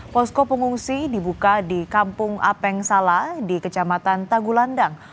posko pengungsi dibuka di kampung apeng sala di kecamatan tagulandang